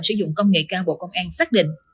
sử dụng công nghệ cao bộ công an xác định